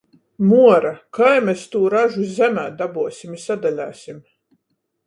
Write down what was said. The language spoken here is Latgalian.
Muora, kai mes tū ražu zemē dabuosim i sadaleisim?